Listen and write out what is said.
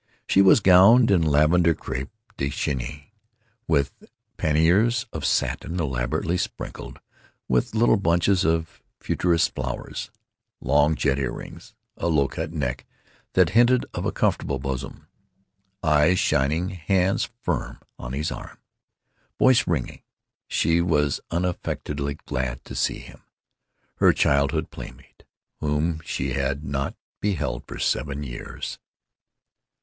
She was gowned in lavender crêpe de Chine, with panniers of satin elaborately sprinkled with little bunches of futurist flowers; long jet earrings; a low cut neck that hinted of a comfortable bosom. Eyes shining, hands firm on his arm, voice ringing, she was unaffectedly glad to see him—her childhood playmate, whom she had not beheld for seven years.